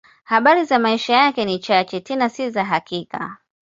Habari za maisha yake ni chache, tena si za hakika.